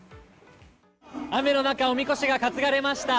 雨の中おみこしが担がれました。